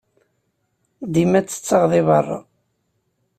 Dima ttetteɣ deg beṛṛa.